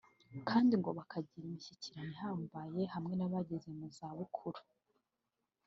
kandi ngo bakagira imishyikirano ihambaye hamwe n’abageze mu za bukuru